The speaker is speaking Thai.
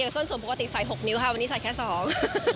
อย่างส่วนสูงปกติใส่หกเหนียวฮะวันนี้ใส่แคสเซอร์ฮอง